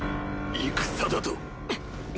戦だと？